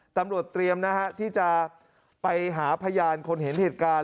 ตำรวจเตรียมนะฮะที่จะไปหาพยานคนเห็นเหตุการณ์